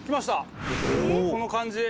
この感じ。